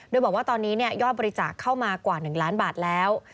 โดยบอกว่าตอนนี้ยอดบริจาคเข้ามากว่า๑ล้านบาทแล้ว